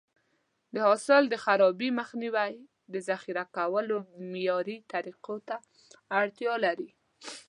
د حاصل د خرابي مخنیوی د ذخیره کولو معیاري طریقو ته اړتیا لري.